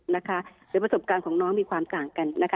หรือประสบการณ์ของน้องมีความต่างกันนะคะ